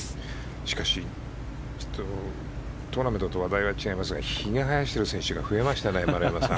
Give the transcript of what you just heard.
しかし、トーナメントと話題が違いますがひげを生やしている選手が増えましたね、丸山さん。